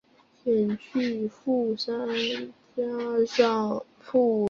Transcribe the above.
京都精华大学短期大学部是过去一所位于日本京都府京都市左京区的私立短期大学。